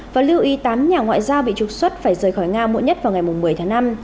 và lưu ý tám nhà ngoại giao bị trục xuất phải rời khỏi nga muộn nhất vào ngày một mươi tháng năm